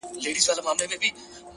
صبر د هیلو ساتونکی دی!.